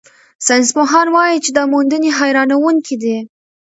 ساینسپوهان وايي چې دا موندنې حیرانوونکې دي.